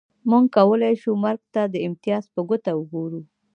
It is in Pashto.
موږ کولای شو مرګ ته د امتیاز په توګه وګورو